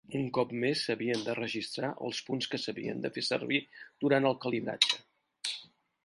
Un cop més, s'havien de registrar els punts que s'havien de fer servir durant el calibratge .